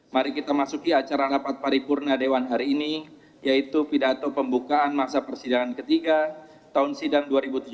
mari kita masuk ke acara rapat paripurna dewan hari ini yaitu pidato pembukaan masa persidangan ketiga tahun sidang dua ribu tujuh belas dua ribu delapan belas